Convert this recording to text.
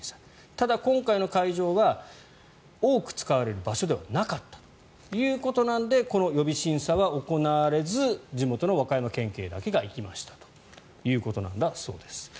ただ、今回の会場は多く使われる場所ではなかったということなのでこの予備審査は行われず地元の和歌山県警だけが行きましたということだそうです。